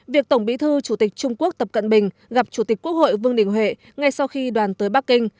việc tổng bí thư chủ tịch trung quốc tập cận bình gặp chủ tịch quốc hội vương đình huệ ngay sau khi đoàn tới bắc kinh